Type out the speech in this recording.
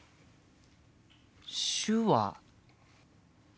手話。